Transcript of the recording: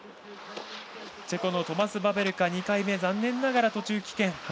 チェコのトマス・バベルカ２回目、残念ながら途中棄権。